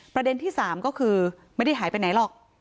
ประเด็นที่๓ก็คือไม่ได้หายไปไหนหรอก